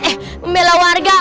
eh pembelah warga